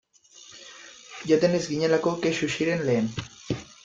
Joaten ez ginelako kexu ziren lehen.